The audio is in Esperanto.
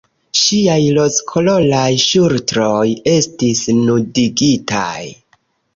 Ŝiaj rozkoloraj ŝultroj estis nudigitaj.